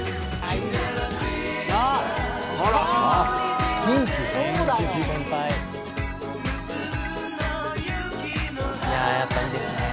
いややっぱいいですね。